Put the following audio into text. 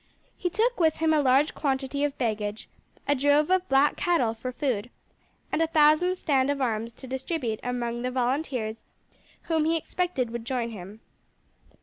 He took with him a large quantity of baggage, a drove of black cattle for food, and a thousand stand of arms to distribute among the volunteers who he expected would join him.